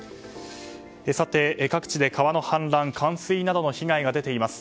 各地で川の氾濫、冠水などの被害が出ています。